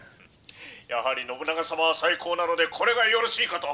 「やはり信長様は最高なのでこれがよろしいかと」。